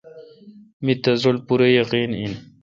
می تس رل پورہ یقین این۔